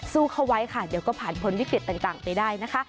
สู้เข้าไว้ค่ะเดี๋ยวก็ผ่านพ้นวิกฤตต่างไปได้นะคะ